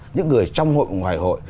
những người trong hội ngoài hội